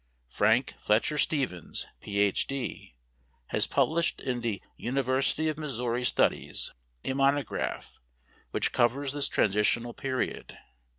Frank Fletcher Stephens, Ph.D., has published in the "University of Missouri Studies" a monograph, which covers this transitional period.